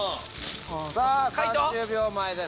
さぁ３０秒前です。